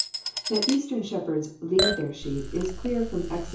That Eastern shepherds *< lead " their sheep, is clear from Exod.